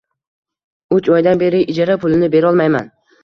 Uch oydan beri ijara pulini berolmayman